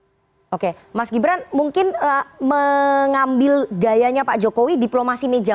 ya oke mas gibran mungkin mengambil gayanya pak jokowi diplomasi neja makassar